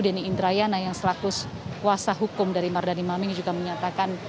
denny indrayana yang selaku kuasa hukum dari mardhani maming juga menyatakan